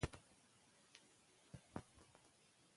حتی چې هالته خپل وطنونو کې به یې زده کړې وي